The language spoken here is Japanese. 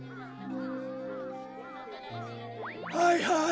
はいはい